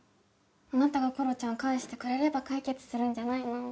あなたがころちゃんを返してくれれば解決するんじゃないの？